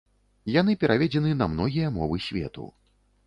Яны пераведзены на многія мовы свету.